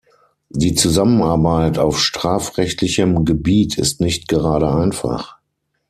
Die Zusammenarbeit auf strafrechtlichem Gebiet ist nicht gerade einfach.